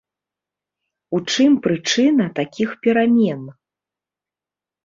У чым прычына такіх перамен?